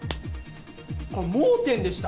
これ盲点でした。